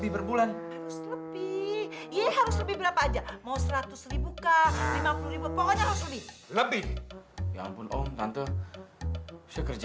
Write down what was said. panya aku panya aku